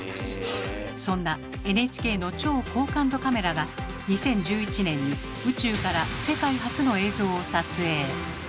そんなＮＨＫの超高感度カメラが２０１１年に宇宙から世界初の映像を撮影。